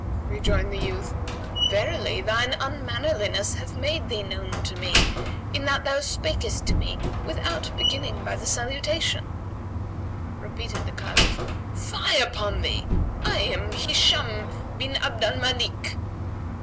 Rejoined the youth, "Verily thine unmannerliness hath made thee known to me, in that thou spakest to me, without beginning by the salutation."[FN#144] Repeated the Caliph, "Fie upon thee! I am Hisham bin Abd al Malik."